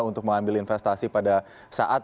untuk mengambil investasi pada saat